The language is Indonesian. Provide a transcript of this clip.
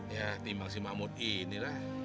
ya timbang si mahmud ini lah